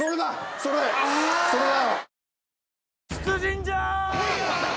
それだわ。